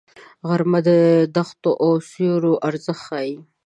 غرمه د دښتو او سیوریو ارزښت ښيي